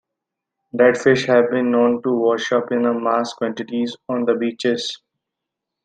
Dead fish have been known to wash up in mass quantities on the beaches.